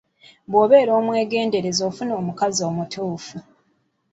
Bwobeera omwegendereza ofuna omukazi omutuufu.